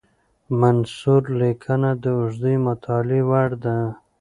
منثور لیکنه د اوږدې مطالعې وړ ده.